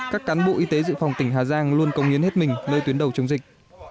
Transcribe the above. các cán bộ y tế dự phòng tỉnh hà giang luôn công hiến hết mình nơi tuyến đầu chống dịch